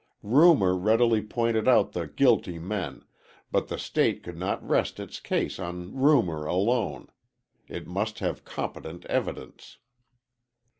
Rumor readily pointed out the guilty men, but the State could not rest its case on rumor alone. It must have competent evidence.